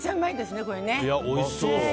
おいしそう。